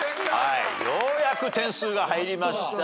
ようやく点数が入りました。